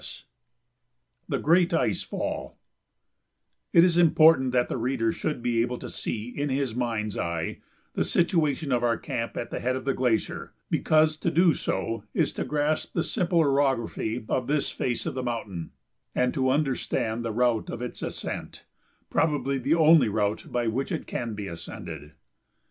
[Sidenote: The Great Ice Fall] It is important that the reader should be able to see, in his mind's eye, the situation of our camp at the head of the glacier, because to do so is to grasp the simple orography of this face of the mountain, and to understand the route of its ascent, probably the only route by which it can be ascended.